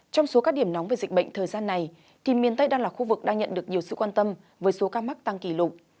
trong số các điểm nóng về dịch bệnh thời gian này thì miền tây đang là khu vực đang nhận được nhiều sự quan tâm với số ca mắc tăng kỷ lục